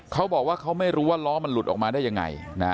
เขาบอกว่าเขาไม่รู้ว่าล้อมันหลุดออกมาได้ยังไง